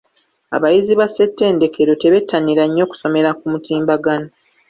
Abayizi ba ssettendekero tebettanira nnyo kusomera ku mutimbagano.